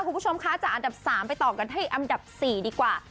คุณผู้ชมคะจากอันดับ๓ไปต่อกันให้อันดับ๔ดีกว่า